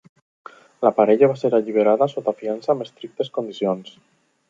La parella va ser alliberada sota fiança amb estrictes condicions.